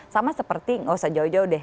sama seperti nggak usah jauh jauh deh